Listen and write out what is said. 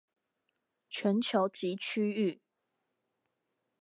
全球及區域